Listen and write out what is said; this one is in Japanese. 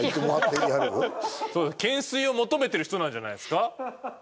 懸垂を求めてる人なんじゃないですか？